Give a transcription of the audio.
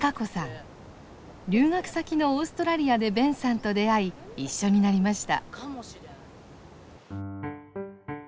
留学先のオーストラリアでベンさんと出会い一緒になりました。